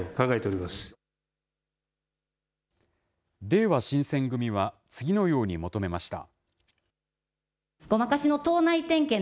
れいわ新選組は、次のように求めました。